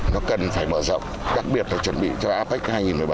nó cần phải mở rộng đặc biệt là chuẩn bị cho apec hai nghìn một mươi bảy